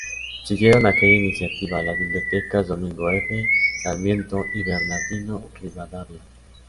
Siguieron a aquella iniciativa, las bibliotecas "Domingo F. Sarmiento" y "Bernardino Rivadavia".